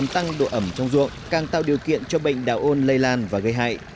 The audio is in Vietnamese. tăng độ ẩm trong ruộng càng tạo điều kiện cho bệnh đạo ôn lây lan và gây hại